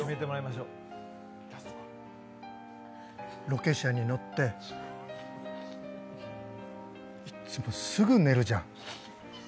ロケ車に乗っていっつもすぐ寝るじゃん。